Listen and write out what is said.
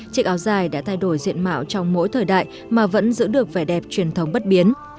chiếc áo dài đã thay đổi diện mạo trong mỗi thời đại mà vẫn giữ được vẻ đẹp truyền thống bất biến